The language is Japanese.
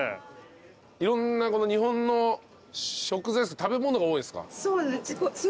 いろんな日本の食べ物が多いんですか？